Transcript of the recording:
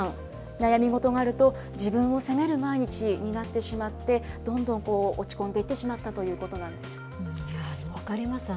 悩み事があると、自分を責める毎日になってしまって、どんどん落ち込んでいってしまったというこ分かります。